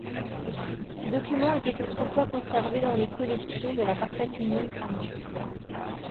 Ces documents étaient autrefois conservés dans les collections de la Parfaite Union, à Mons.